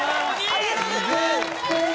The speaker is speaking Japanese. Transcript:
ありがとうございます！